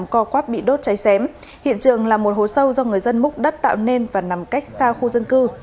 co quát bị đốt cháy xém hiện trường là một hố sâu do người dân múc đất tạo nên và nằm cách xa khu dân cư